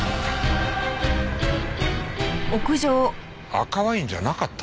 赤ワインじゃなかった？